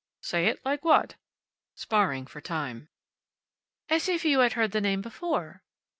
"Say it like what?" sparring for time. "As if you had heard the name before?"